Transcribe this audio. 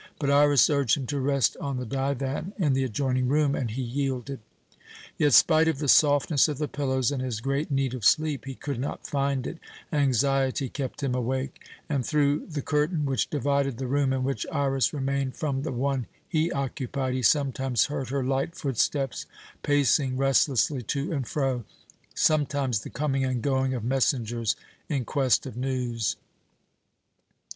But Iras urged him to rest on the divan in the adjoining room, and he yielded. Yet, spite of the softness of the pillows and his great need of sleep, he could not find it; anxiety kept him awake, and through the curtain which divided the room in which Iras remained from the one he occupied he sometimes heard her light footsteps pacing restlessly to and fro, sometimes the coming and going of messengers in quest of news.